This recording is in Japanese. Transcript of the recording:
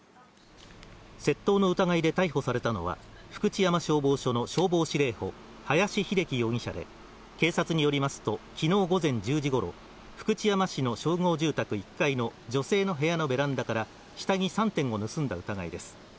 窃盗の疑いで逮捕されたのは、福知山消防署の消防司令補・林秀樹容疑者で、警察によりますと昨日午前１０時頃、福知山市の集合住宅１階の女性の部屋のベランダから下着３点を盗んだ疑いです。